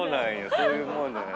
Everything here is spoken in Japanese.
そういうもんなんやね。